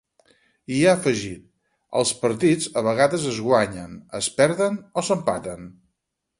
I ha afegit: Els partits a vegades es guanyen, es perden o s’empaten.